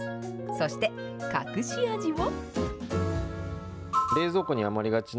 そして、隠し味も。